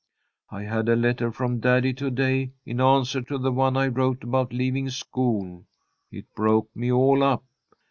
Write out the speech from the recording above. I had a letter from Daddy to day, in answer to the one I wrote about leaving school. It broke me all up.